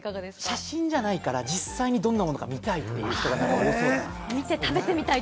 写真じゃないから、実際どういうものか見たいって人が多そうだなって。